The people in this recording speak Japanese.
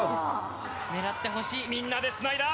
みんなで繋いだ！